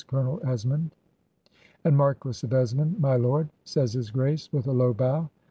Colonel Esmond. 'And Marquis of Esmond, my lord,' says his Grace, with a low bow.